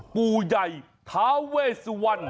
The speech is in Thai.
ปูใหญ่ถาเวสุวัล